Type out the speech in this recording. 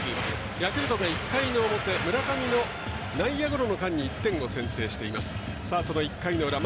ヤクルト、１回の表村上の内野ゴロの間に１点を先制しています。